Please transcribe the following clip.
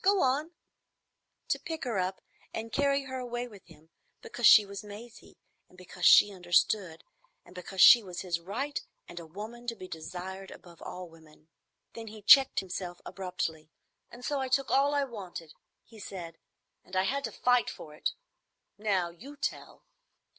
Go on,"—to pick her up and carry her away with him, because she was Maisie, and because she understood, and because she was his right, and a woman to be desired above all women. Then he checked himself abruptly. "And so I took all I wanted," he said, "and I had to fight for it. Now you tell."